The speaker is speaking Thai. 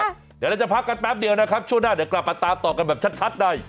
เดี๋ยวเราจะพักกันแป๊บเดียวนะครับช่วงหน้าเดี๋ยวกลับมาตามต่อกันแบบชัดใน